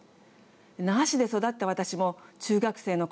那覇市で育った私も中学生のころ